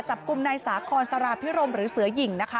จับกลุ่มนายสาคอนสาราพิรมหรือเสือหญิงนะคะ